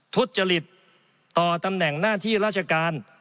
ทุจริตต่อตำแหน่งหน้าที่ราชการ